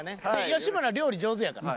吉村料理上手やから。